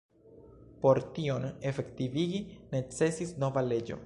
Por tion efektivigi necesis nova leĝo.